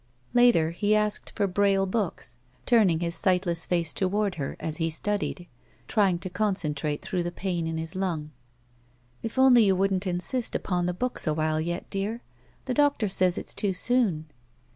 Later, he asked for braille books, turning his sightless face toward her as he studied, trying to concentrate through the pain in his Itmg. K only you wouldn't insist upon the books awhile yet, dear. The doctor says it's too soon."